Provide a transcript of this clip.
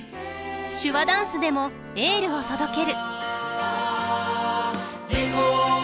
手話ダンスでもエールを届ける。